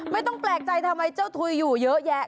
ไม่ต้องแปลกใจทำไมเจ้าถุยอยู่เยอะแยะ